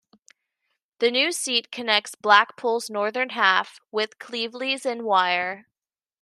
The new seat connects Blackpool's northern half with Cleveleys in Wyre.